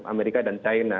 amerika dan china